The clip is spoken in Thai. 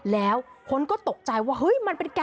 แล้วคนก็ตกใจว่าเฮ้ย